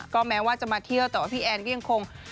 ก็แม้ว่าจะมาเที่ยวแต่ว่าพี่แอนก็ยังคง